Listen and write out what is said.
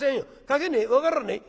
「描けねえ？分からねえ？